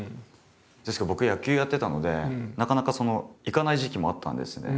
ですけど僕野球やってたのでなかなか行かない時期もあったんですね。